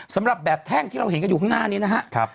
สำหรับแบบแท่งที่เราเห็นกันอยู่ข้างหน้านี้นะครับ